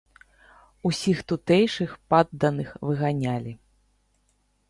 Усіх тутэйшых падданых выганялі.